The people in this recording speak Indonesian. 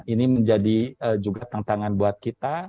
ini menjadi juga tantangan buat kita